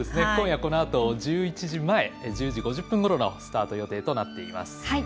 今夜このあと１１時前１０時５０分ごろのスタート予定となっています。